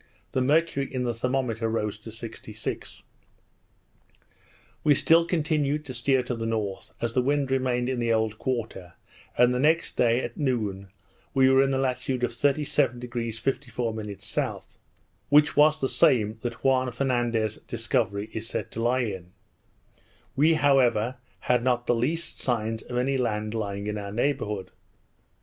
The mercury in the thermometer rose to 66. We still continued to steer to the north, as the wind remained in the old quarter; and the next day, at noon, we were in the latitude 37° 54' S.; which was the same that Juan Fernandez's discovery is said to lie in. We, however, had not the least signs of any land lying in our neighbourhood.